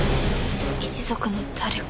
「一族の誰か」